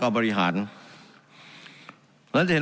การปรับปรุงทางพื้นฐานสนามบิน